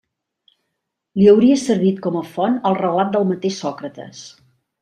Li hauria servit com a font el relat del mateix Sòcrates.